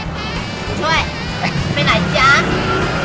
มากินก๋วยเตี๋ยวเหรอลูก